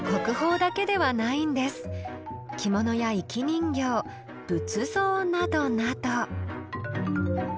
着物や生き人形仏像などなど。